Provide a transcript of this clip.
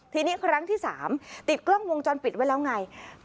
ทีนี้ครั้งที่๓ติดกล้องวงจรปิดไว้แล้วไง